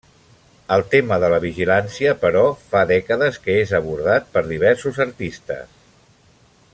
El tema de la vigilància, però, fa dècades que és abordat per diversos artistes.